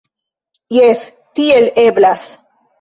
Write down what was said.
Jes, tiel eblas.